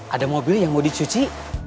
ada mobil yang mau dicuci